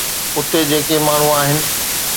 اتي جيڪي ماڻهو آهن.